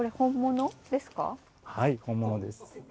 はい本物です。